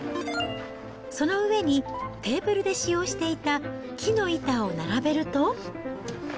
その上に、テーブルで使用していた木の板を並べると。